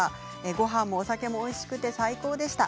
ごはんもお酒もおいしくて最高でした。